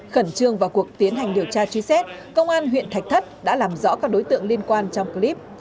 khẩn trương vào cuộc tiến hành điều tra truy xét công an huyện thạch thất đã làm rõ các đối tượng liên quan trong clip